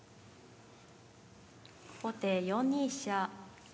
後手４二飛車。